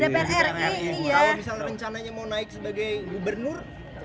kalau misalnya rencananya mau naik sebagai gubernur